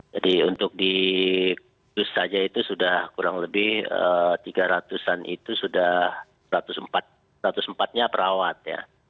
jadi untuk di kudus saja itu sudah kurang lebih tiga ratus an itu sudah satu ratus empat nya perawat